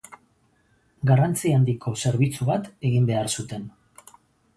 Garrantzi handiko zerbitzu bat egin behar zuten.